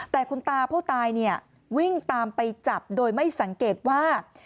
แต่คุณตาผู้ตายเนี่ยวิ่งตามไปจับโดยไม่สังเกตว่า